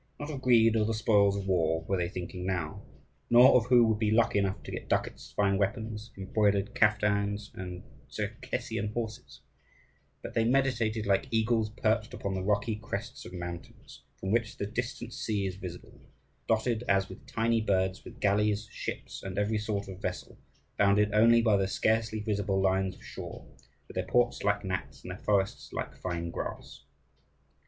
Not of greed or the spoils of war were they thinking now, nor of who would be lucky enough to get ducats, fine weapons, embroidered caftans, and Tcherkessian horses; but they meditated like eagles perched upon the rocky crests of mountains, from which the distant sea is visible, dotted, as with tiny birds, with galleys, ships, and every sort of vessel, bounded only by the scarcely visible lines of shore, with their ports like gnats and their forests like fine grass.